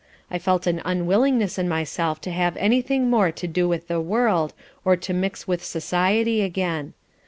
I felt an unwillingness in myself to have any thing more to do with the world, or to mix with society again.